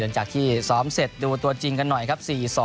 หลังจากที่ซ้อมเสร็จดูตัวจริงกันหน่อยครับ๔๒